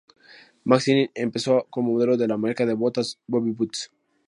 Maxine empezó como modelo de la marca de botas Bobby Boots.